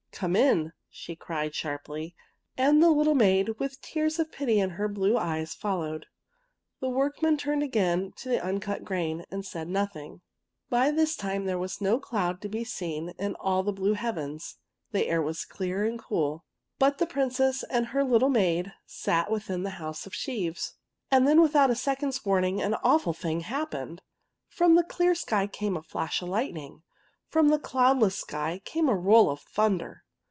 '' Come in! " she cried, sharply, and the little maid, with tears of pity in her blue eyes, followed. The workmen turned again to the uncut grain, and said noth ing. By this time there was no cloud to be seen in all the blue heavens. The air was clear and cool. But the Princess and her little maid sat within the house of sheaves. Then without a second's warning an awful thing happened! Prom the clear sky came a flash of lightning. From the cloudless sky came a roll of thunder.